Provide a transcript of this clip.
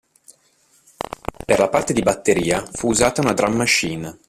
Per la parte di batteria fu usata una drum machine.